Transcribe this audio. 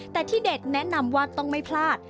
แต่ที่เด็ดแนะนำว่าต้องไม่พลาด